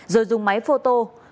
rồi dùng máy photo